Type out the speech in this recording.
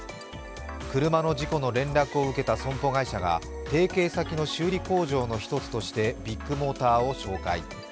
車の事故の連絡を受けた損保会社が提携先の修理工場の一つとしてビッグモーターを紹介。